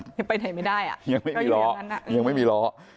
ยังไปไหนไม่ได้อ่ะยังไม่มีล้อยังไม่มีล้อ